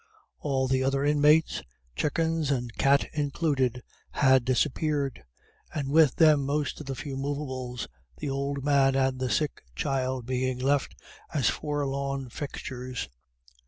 All the other inmates, chuckens and cat included, had disappeared, and with them most of the few movables, the old man and the sick child being left as forlorn fixtures.